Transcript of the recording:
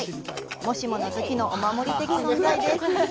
もしものときのお守り的存在です。